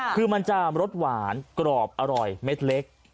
คือมันจะรสหวานกรอบอร่อยเม็ดเล็ก